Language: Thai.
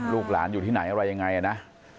ลูกหลานอยู่ที่ไหนอะไรยังไงนะ